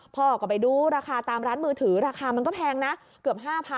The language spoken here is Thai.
พ่อก็ไปดูราคาตามร้านมือถือราคามันก็แพงนะเกือบ๕๐๐๐